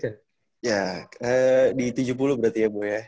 ya di tujuh puluh berarti ya bu ya